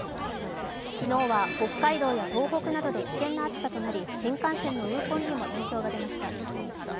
昨日は北海道や東北などで危険な暑さとなり新幹線の運行にも影響が出ました。